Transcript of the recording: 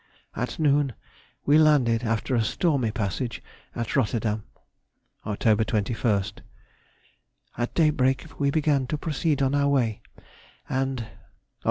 _—At noon we landed after a stormy passage at Rotterdam. Oct. 21st.—At daybreak we began to proceed on our way, and _Oct.